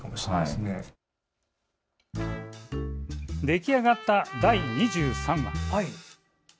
出来上がった第２３話。